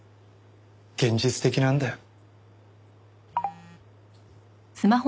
現実的なんだよ。